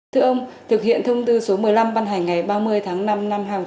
thưa ông thực hiện thông tư số một mươi năm ban hành ngày ba mươi tháng năm năm hai nghìn một mươi ba